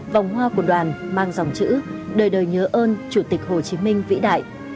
vòng hoa của đoàn mang dòng chữ đời đời nhớ ơn chủ tịch hồ chí minh vĩ đại